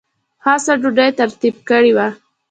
خاصه ډوډۍ ترتیب کړې وه.